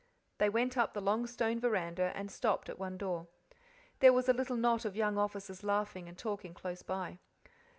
They went up the long stone veranda and stopped at one door. There was a little knot of young officers laughing and talking close by.